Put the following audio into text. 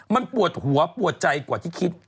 มันปวดหัวปวดใจกว่าที่คิด